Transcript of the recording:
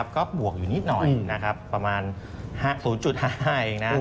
ก็บวกอยู่นิดหน่อยประมาณ๐๕๕เองนะ